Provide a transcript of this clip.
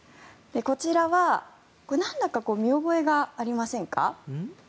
こちらはなんだか見覚えがありませんか？